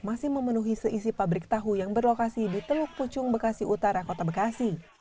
masih memenuhi seisi pabrik tahu yang berlokasi di teluk pucung bekasi utara kota bekasi